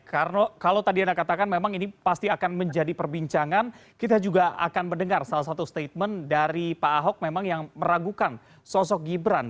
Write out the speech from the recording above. karena kalau tadi anda katakan memang ini pasti akan menjadi perbincangan kita juga akan mendengar salah satu statement dari pak ahok memang yang meragukan sosok gibran